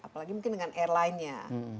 apalagi mungkin dengan airlinenya